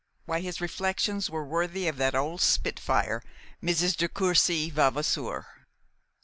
Why, his reflections were worthy of that old spitfire, Mrs. de Courcy Vavasour.